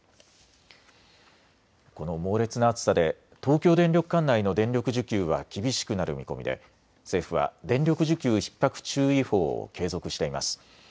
この猛烈な暑さで東京電力管内の電力需給は厳しくなる見込みで政府は電力需給ひっ迫注意報を継続しています。